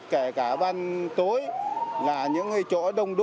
kể cả ban tối là những cái chỗ đông đúc